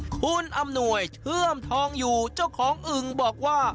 คุณอำนวยเชื่อมทองอยู่เจ้าของอึ่งบอกว่า